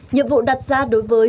nhiệm vụ đặt ra đối với